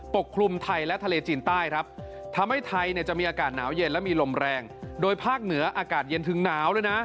ทำให้ไทยจะมีอากาศหนาวเย็นและมีลมแรงโดยภาคเหนืออากาศเย็นถึงหนาว